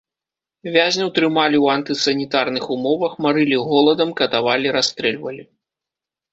Вязняў трымалі ў антысанітарных умовах, марылі голадам, катавалі, расстрэльвалі.